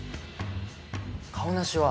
カオナシは。